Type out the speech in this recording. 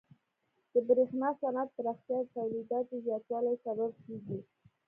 د برېښنا صنعت پراختیا د تولیداتو زیاتوالي سبب کیږي.